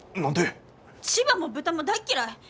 千葉も豚も大っ嫌い。